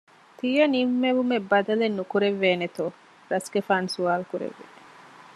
ތިޔަ ނިންމެވުމެއް ބަދަލެއް ނުކުރެއްވޭނެތޯ؟ ރަސްގެފާނު ސުވާލުކުރެއްވި